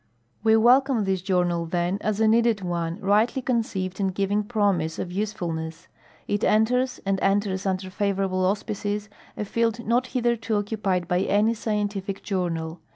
We welcome this journal, then, as a needed one, rightly conceived and giving promise of usefulness. It enters, and enters under favorable au spices, a field not hitherto occupied by any scientific journal.